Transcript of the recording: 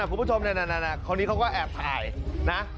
นะคุณผู้ชมนะนะนะนะตอนนี้เขาก็แอบถ่ายนะ